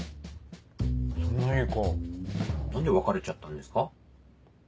そんないい子何で別れちゃったんですか？